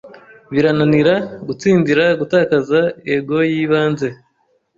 birananira gutsindira Gutakaza ego-yibanze,